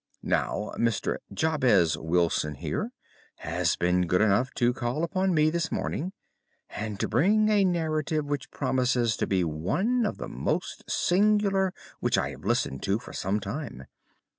Now, Mr. Jabez Wilson here has been good enough to call upon me this morning, and to begin a narrative which promises to be one of the most singular which I have listened to for some time.